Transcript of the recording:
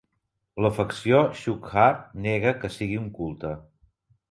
La facció Schuckardt nega que siguin un culte.